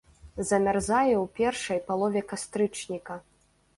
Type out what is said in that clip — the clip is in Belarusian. Замярзае ў першай палове кастрычніка.